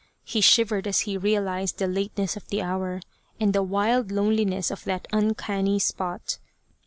He shivered as he realized the lateness of the hour and the wild loneliness of that uncanny spot.